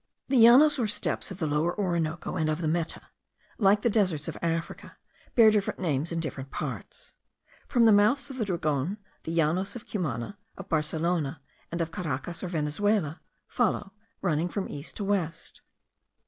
The Llanos or steppes of the Lower Orinoco and of the Meta, like the deserts of Africa, bear different names in different parts. From the mouths of the Dragon the Llanos of Cumana, of Barcelona, and of Caracas or Venezuela,* follow, running from east to west.